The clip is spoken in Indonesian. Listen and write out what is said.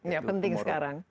ya penting sekarang